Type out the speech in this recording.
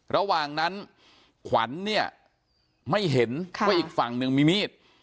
ระหว่างนั้นขวัญเนี่ยไม่เห็นว่าอีกฝั่งหนึ่งมีมีด